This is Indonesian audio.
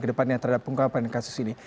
kedepannya terhadap pengungkapan kasus ini